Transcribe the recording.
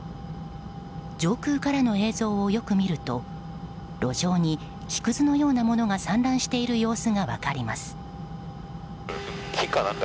上空からの映像をよく見ると路上に木くずのようなものが散乱している様子が分かります。